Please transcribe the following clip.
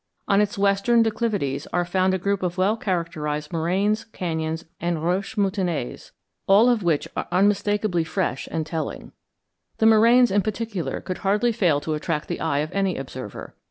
On its western declivities are found a group of well characterized moraines, cañons, and roches moutonnées, all of which are unmistakably fresh and telling. The moraines in particular could hardly fail to attract the eye of any observer.